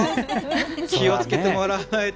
気をつけてもらわないと。